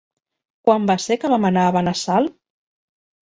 Quan va ser que vam anar a Benassal?